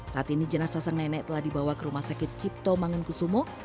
saat ini jenazah sang nenek telah dibawa ke rumah sakit cipto mangunkusumo